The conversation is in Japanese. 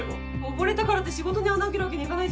溺れたからって仕事に穴あけるわけにはいかないじゃん。